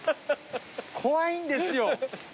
怖いんですよ。